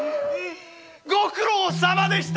ご苦労さまでした！